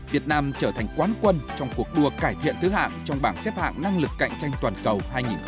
việt nam trở thành quán quân trong cuộc đua cải thiện thứ hạng trong bảng xếp hạng năng lực cạnh tranh toàn cầu hai nghìn hai mươi